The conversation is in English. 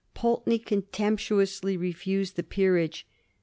Pulteney contemptuously refused the peerage.